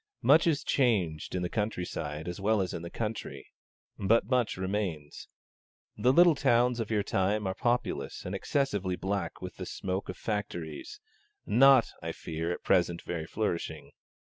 Much is changed, in the country side as well as in the country; but much remains. The little towns of your time are populous and excessively black with the smoke of factories not, I fear, at present very flourishing.